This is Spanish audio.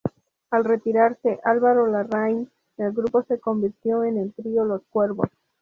Al retirarse Álvaro Larraín el grupo se convirtió en el trío "Los Cuervos".